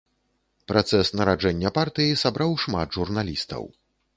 Працэс нараджэння партыі сабраў шмат журналістаў.